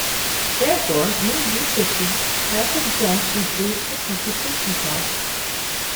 Therefore, many researches have been done to reduce the computation cost.